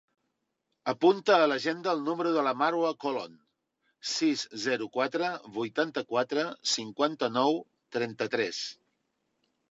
Apunta a l'agenda el número de la Marwa Colon: sis, zero, quatre, vuitanta-quatre, cinquanta-nou, trenta-tres.